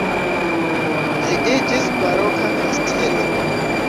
Ĝi iĝis baroka kastelo.